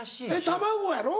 卵やろ？